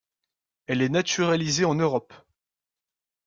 Elle est naturalisée en Europe.